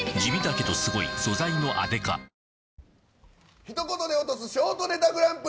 ひと言で落とすショートネタグランプリ。